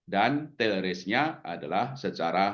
dan tail risknya adalah secara